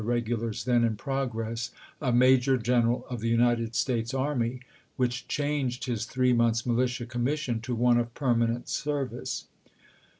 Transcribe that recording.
regulars then in progress, a major general of the Thomas, United States army, which changed his three ju^eefisei. months' militia commission to one of permanent nrfp S!' service.